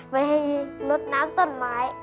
ไปลดน้ำต้นไม้